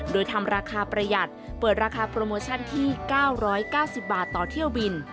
โดยทำราคาประหยัดเปิดราคาโปรโมชั่นที่๙๙๐บาทต่อเที่ยวบิน